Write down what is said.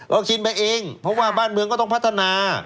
กินไปเองเพราะว่าบ้านเมืองก็ต้องพัฒนา